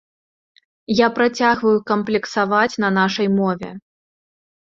Я працягваю камплексаваць на нашай мове.